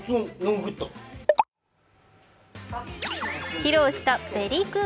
披露した「ベリグー」